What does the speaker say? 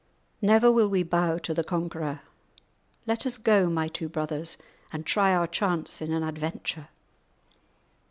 Never will we bow to the conquerer. Let us go, my two brothers, and try our chance in an adventure?"